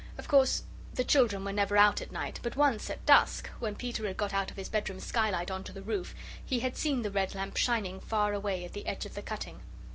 Of course the children were never out at night; but once, at dusk, when Peter had got out of his bedroom skylight on to the roof, he had seen the red lamp shining far away at the edge of the cutting.